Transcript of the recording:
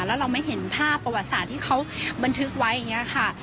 แล้วเราไม่เห็นภาพประวัติศาสตร์ที่เขาบันทึกไว้อย่างนี้ค่ะ